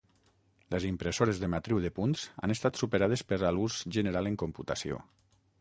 Les impressores de matriu de punts han estat superades per a l'ús general en computació.